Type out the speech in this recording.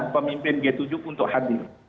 pemimpin g tujuh untuk hadir